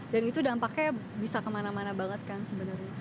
dan itu dampaknya bisa kemana mana banget kan sebenarnya